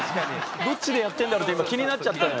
どっちでやってるんだろうって気になっちゃったよ。